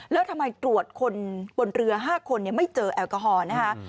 แล้วทำไมตรวจคนบนเรือ๕คนไม่เจอแอลกอฮอล์นะคะ